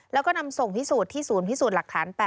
แล้วก็นำส่งพิสูจน์ที่ศูนย์พิสูจน์หลักฐาน๘